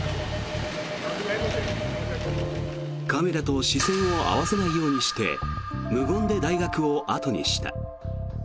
カメラと視線を合わせないようにして無言で大学を後にした。